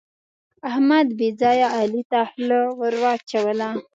احمد بې ځایه علي ته خوله ور واچوله.